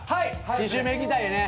２週目いきたいね。